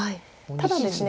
ただですね